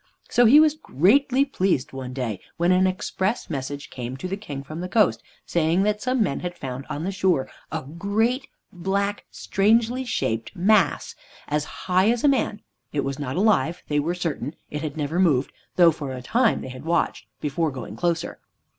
So he was greatly pleased one day when an express message came to the King from the coast, saying that some men had found on the shore a great, black, strangely shaped mass, as high as a man; it was not alive, they were certain. It had never moved, though for a time they had watched, before going closer.